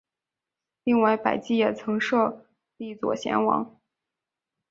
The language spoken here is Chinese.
另外百济也曾设立左贤王。